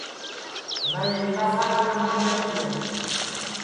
نائی ویکاسا کا لمبر نائی تیا